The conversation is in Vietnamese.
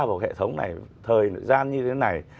vào hệ thống này thời gian như thế này